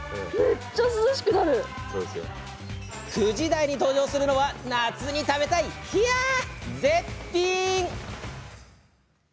９時台に登場するのは夏に食べたい、ひや絶品。